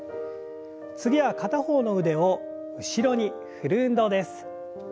次は片方の腕を後ろに振る運動です。